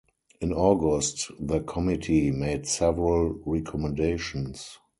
In August, the committee made several recommendations.